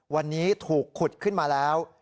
วันนี้ถูกขุดขึ้นมาแล้ว